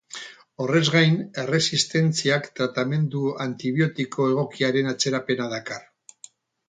Horrez gain, erresistentziak tratamendu antibiotiko egokiaren atzerapena dakar.